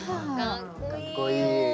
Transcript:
かっこいいよ。